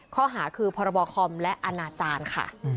ข้อหาคือพคและอนค